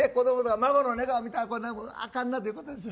孫の寝顔見たらあかんなということですよ。